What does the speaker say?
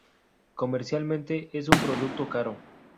Comercialmente es un producto caro.